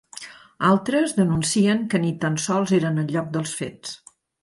Altres denuncien que ni tan sols eren al lloc dels fets.